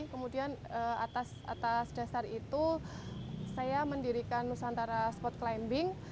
kemudian atas dasar itu saya mendirikan nusantara spot climbing